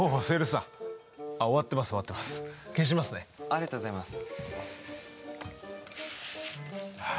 ありがとうございます。